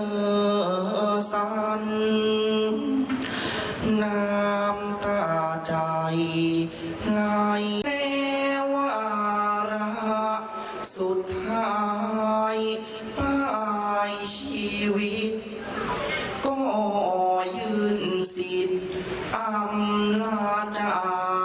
นี่อารมณ์แบบนี้เลยนี่ก็คือการขับเสพาเพราะเอกเดินทางนี้เลย